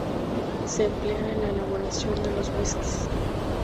Se emplea en la elaboración de los whiskies.